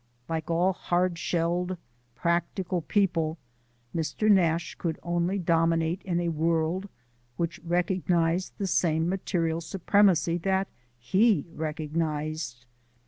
Like all hard shelled, practical people, Mr. Nash could only dominate in a world which recognized the same material supremacy that he recognized.